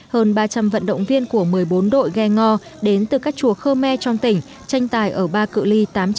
hơn ba trăm linh vận động viên của một mươi bốn đội ghe ngò đến từ các chùa khơ me trong tỉnh tranh tài ở ba cự li tám trăm linh